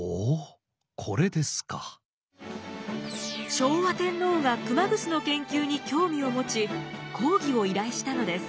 昭和天皇が熊楠の研究に興味を持ち講義を依頼したのです。